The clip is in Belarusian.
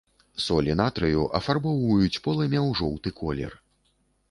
Солі натрыю афарбоўваюць полымя ў жоўты колер.